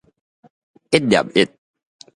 一粒一